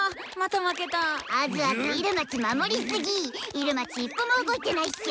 イルマち一歩も動いてないっしょ。